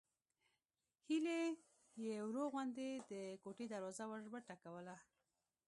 هيلې يې ورو غوندې د کوټې دروازه وروټکوله